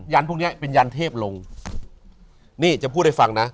พวกเนี้ยเป็นยันเทพลงนี่จะพูดให้ฟังนะ